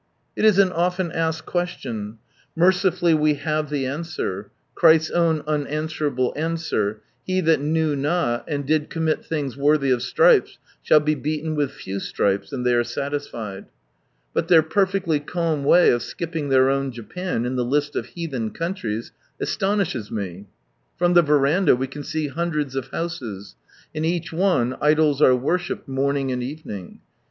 It is an ofien asked question. Merci fully we have (he answer — Christ's own unanswerable answer, " He that knew not, and did commit things worthy of stripes, shall be beaten with few stripes" ; and they are satisfied. But their perfectly calm way of skipping their own Japan in the list of " heathen countries " astonishes me* From the verandah we can see hun dreds of houses ; in each one idols are worshipped morning and evening.